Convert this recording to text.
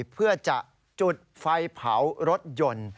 เพื่อจะจุดไฟเผารถยนต์